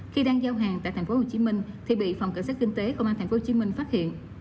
khi đang giao hàng tại tp hcm thì bị phòng cảnh sát kinh tế công an tp hcm phát hiện